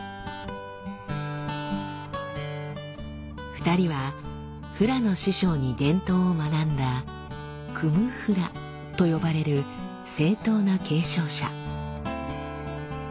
２人はフラの師匠に伝統を学んだ「クム・フラ」と呼ばれる正統な継承者。